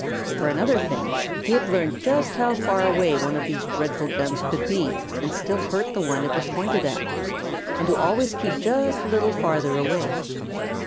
For another thing, he had learned just how far away one of these dreadful guns could be and still hurt the one it was pointed at, and to always keep just a little farther away.